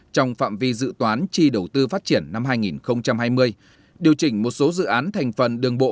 trong phạm vi dự toán chi đầu tư phát triển năm hai nghìn hai mươi điều chỉnh một số dự án thành phần đường bộ